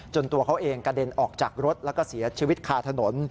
ตัวเขาเองกระเด็นออกจากรถแล้วก็เสียชีวิตคาถนน